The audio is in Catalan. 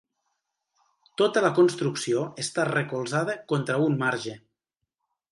Tota la construcció està recolzada contra un marge.